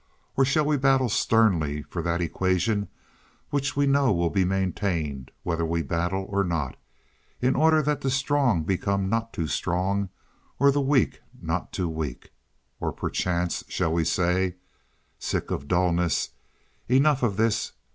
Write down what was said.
Or shall we battle sternly for that equation which we know will be maintained whether we battle or no, in order that the strong become not too strong or the weak not too weak? Or perchance shall we say (sick of dullness): "Enough of this.